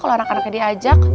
kalau anak anaknya diajak